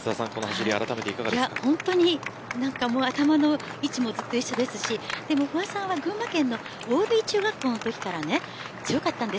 頭の位置もずっと一緒ですし不破さんは群馬県の中学校のときから強かったんです。